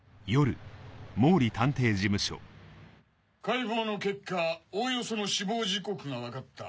解剖の結果おおよその死亡時刻が分かった。